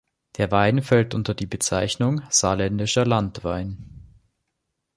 Der Wein fällt unter die Bezeichnung „Saarländischer Landwein“.